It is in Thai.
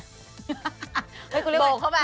หมากลวกเข้าไป